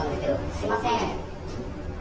すみません。